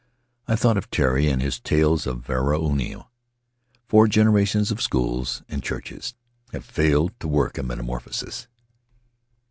I thought of Tari and his tales of the varua ino ... four generations of schools and churches have failed to work a metamorphosis.